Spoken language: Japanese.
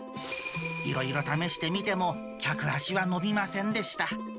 いろいろ試してみても客足は伸びませんでした。